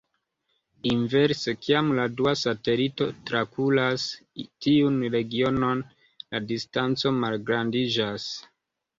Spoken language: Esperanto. Inverse, kiam la dua satelito trakuras tiun regionon, la distanco malgrandiĝas.